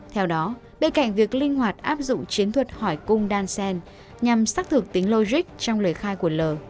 theo đó bên cạnh việc linh hoạt áp dụng chiến thuật hỏi cung dansen nhằm xác thực tính logic trong lời khai của lờ